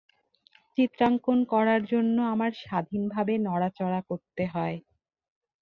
চিত্রাঙ্কন করার জন্য আমার স্বাধীনভাবে নড়াচড়া করতে হয়।